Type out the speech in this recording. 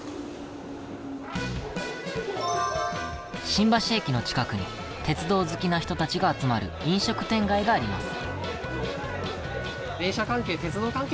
新橋駅の近くに鉄道好きな人たちが集まる飲食店街があります。